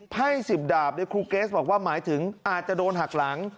ไพ่๑๐ดาบครูเกสบอกว่าหมายถึงอาจจะโดนหักหลัง